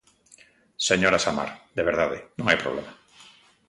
Señora Samar, de verdade, non hai problema.